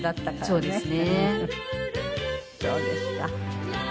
そうですね。